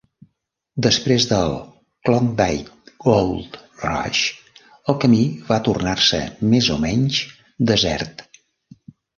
Després del "Klondike Gold Rush", el camí va tornar-se més o menys desert.